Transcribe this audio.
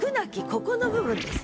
ここの部分です。